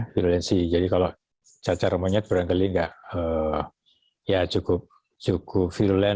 virulensi jadi kalau cacar monyet beranggeling tidak cukup virulen